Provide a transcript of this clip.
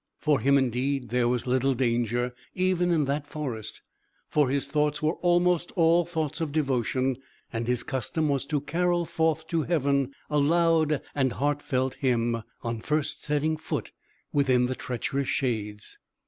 For him, indeed, there was little danger, even in that forest; for his thoughts were almost all thoughts of devotion, and his custom was to carol forth to Heaven a loud and heartfelt hymn, on first setting foot within the treacherous shades.